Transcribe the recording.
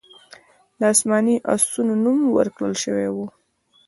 د اسماني آسونو نوم ورکړل شوی و